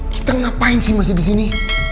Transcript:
kita ngapain sih masih disini